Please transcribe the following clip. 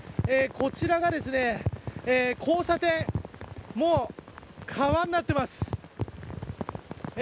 こちらが交差点もう、川になっています。